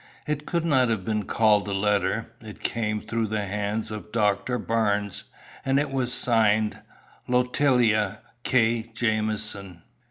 It could not have been called a letter. It came through the hands of Doctor Barnes, and it was signed, "Lotilia K. Jamieson."